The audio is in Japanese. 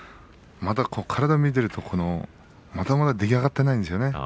体を見ているとまだまだ出来上がっていないんですね。